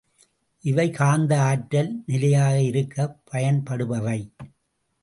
இவை காந்த ஆற்றல் நிலையாக இருக்கப் பயன்படுபவை.